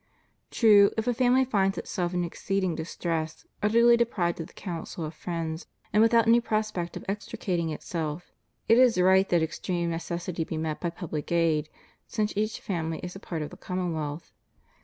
True, if a family finds itself in exceeding distress, utterly deprived of the counsel of friends, and without any prospect of extricating itself, it is right that extreme necessity be met by public aid, since each family is a part of the commonwealth.